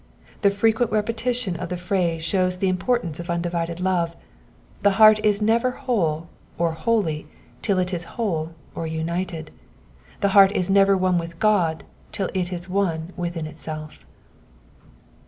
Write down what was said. The frequent repetition of the phrase shows the importance of undivided love : the heart is never whole or holy till it is whole or united. The heart is never one with God till it is one within Itself.